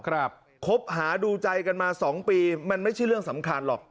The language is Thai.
คบหาดูใจกันมาสองปีมันไม่ใช่เรื่องสำคัญหรอก